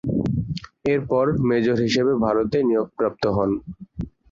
এরপর মেজর হিসেবে ভারতে নিয়োগপ্রাপ্ত হন।